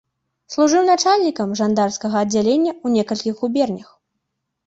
Служыў начальнікам жандарскага аддзялення ў некалькіх губернях.